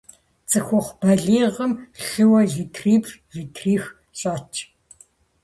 Цӏыхухъу балигъым лъыуэ литриплӏ-литрих щӏэтщ.